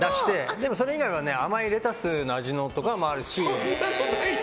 でも、それ以外は甘いレタスの味のとかもあるし。